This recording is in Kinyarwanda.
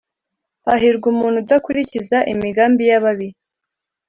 hahirwa umuntu udakurikiza imigambi y’ababi,